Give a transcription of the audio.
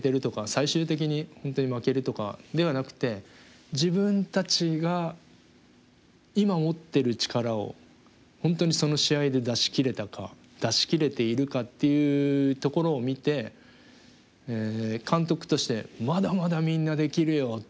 最終的に本当に負けるとかではなくて自分たちが今持ってる力を本当にその試合で出しきれたか出しきれているかっていうところを見て監督として「まだまだみんなできるよ」。